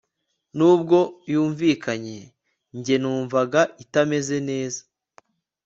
nubwo yumvikanye njye numvaga itameze neza